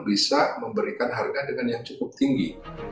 bisa memberikan harga dengan yang cukup tinggi